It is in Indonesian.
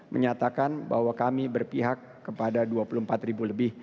menyatakan bahwa kami berpihak kepada dua puluh empat ribu lebih